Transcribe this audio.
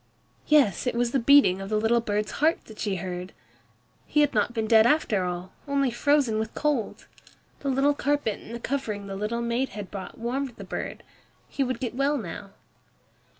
Yes, it was the beating of the little bird's heart that she heard. He had not been dead after all, only frozen with cold. The little carpet and the covering the little maid had brought warmed the bird. He would get well now.